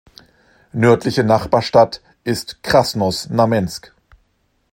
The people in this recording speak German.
Nördliche Nachbarstadt ist Krasnosnamensk.